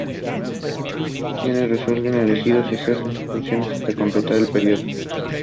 The Ministry of Foreign Affairs of Spain does not have representation in Lilongwe.